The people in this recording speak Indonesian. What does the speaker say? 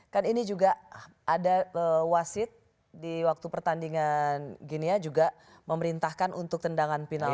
kan ini juga ada wasit di waktu pertandingan gini juga memerintahkan untuk tendangan final